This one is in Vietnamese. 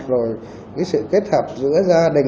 rồi cái sự kết hợp giữa các bậc cha mẹ và trẻ em